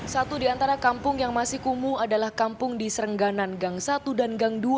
satu di antara kampung yang masih kumuh adalah kampung di serengganan gang satu dan gang dua